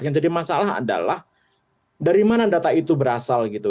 yang jadi masalah adalah dari mana data itu berasal gitu